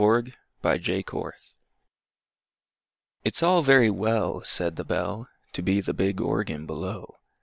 'BELL UPON ORGAN. It's all very well, Said the Bell, To be the big Organ below!